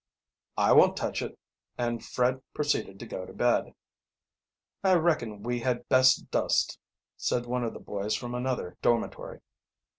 "I won't touch it." And Fred proceeded to go to bed. "I reckon we had best dust," said one of the boys from another dormitory.